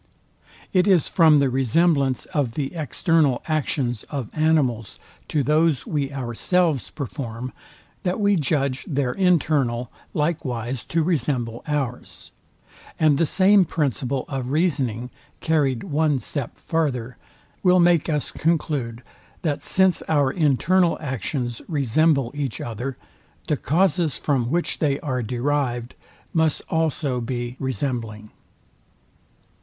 It is from the resemblance of the external actions of animals to those we ourselves perform, that we judge their internal likewise to resemble ours; and the same principle of reasoning, carryd one step farther, will make us conclude that since our internal actions resemble each other, the causes, from which they are derivd, must also be resembling.